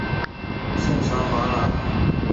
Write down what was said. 皮伦霍芬是德国巴伐利亚州的一个市镇。